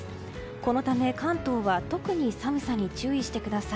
このため関東は特に寒さに注意してください。